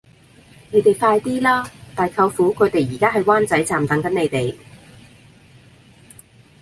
你哋快啲啦!大舅父佢哋而家喺灣仔站等緊你哋